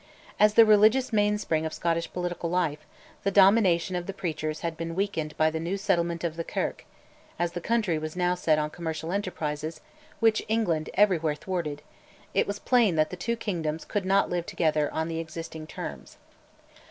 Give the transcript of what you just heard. As the religious mainspring of Scottish political life, the domination of the preachers had been weakened by the new settlement of the Kirk; as the country was now set on commercial enterprises, which England everywhere thwarted, it was plain that the two kingdoms could not live together on the existing terms.